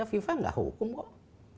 kalau fifa nggak hukum kok